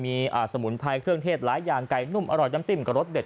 มีสมุนไพรเครื่องเทศหลายอย่างไก่นุ่มอร่อยน้ำจิ้มกับรสเด็ด